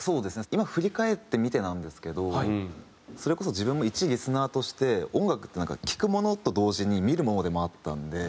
今振り返ってみてなんですけどそれこそ自分も１リスナーとして音楽ってなんか聴くものと同時に見るものでもあったんで。